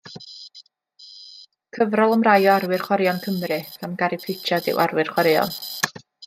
Cyfrol am rai o arwyr chwaraeon Cymru gan Gary Pritchard yw Arwyr Chwaraeon.